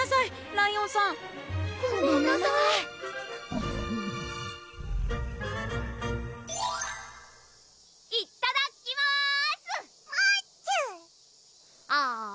ライオンさんごめんなさいいただきますまちゅ！